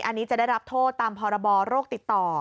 อันนี้จะได้รับโทษตามพรบโรคติดต่อ